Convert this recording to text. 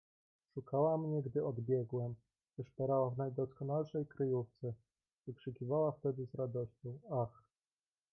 "Szukała mnie, gdy odbiegłem, wyszperała w najdoskonalszej kryjówce, wykrzykiwała wtedy z radością: „Ach!"